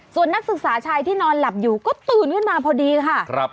ส่วนนักศึกษาชายที่นอนหลับอยู่ก็ตื่นขึ้นมาพอดีค่ะ